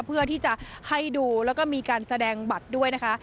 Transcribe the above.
เพื่อที่จะให้ดูแล้วก็มีการแสดงบัตรด้วยนะคะ